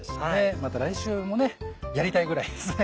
また来週もねやりたいぐらいですね。